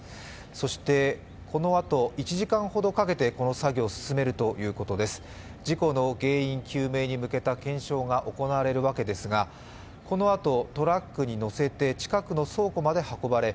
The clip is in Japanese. そして１時間ほどかけてこの作業を進めるということです事故の原因究明に向けた検証が行われるわけですがこのあとトラックに載せて近くの倉庫まで運ばれ